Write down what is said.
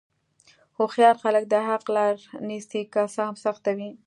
هوښیار خلک د حق لاره نیسي، که څه هم سخته وي.